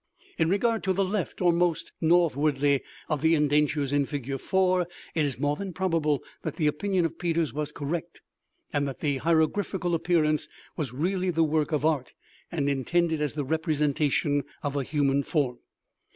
In regard to the "left or most northwardly" of the indentures in figure 4, it is more than probable that the opinion of Peters was correct, and that the hieroglyphical appearance was really the work of art, and intended as the representation of a human form.